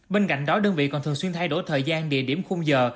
bên cạnh đó đơn vị còn thường xuyên thay đổi thời gian địa điểm khung giờ